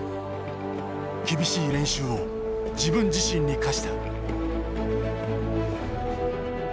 厳しい練習を自分自身に課した。